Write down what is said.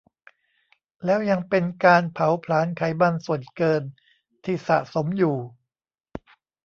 แล้วยังเป็นการเผาผลาญไขมันส่วนเกินที่สะสมอยู่